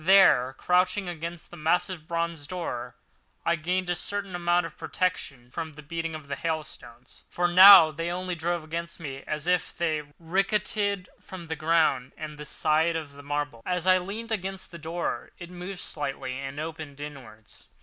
There, crouching against the massive bronze door, I gained a certain amount of protection from the beating of the hailstones, for now they only drove against me as they ricocheted from the ground and the side of the marble. As I leaned against the door, it moved slightly and opened inwards.